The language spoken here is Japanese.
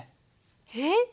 えっ？